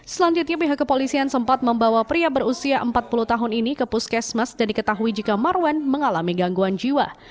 selanjutnya pihak kepolisian sempat membawa pria berusia empat puluh tahun ini ke puskesmas dan diketahui jika marwan mengalami gangguan jiwa